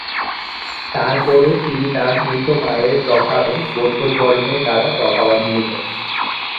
তারপরও তিনি তার মৃত মায়ের প্রভাবে বৌদ্ধধর্মের দ্বারা প্রভাবান্বিত।